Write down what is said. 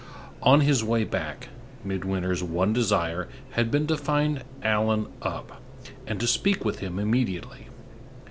On his way back, Midwinter's one desire had been to find Allan up, and to speak to him immediately.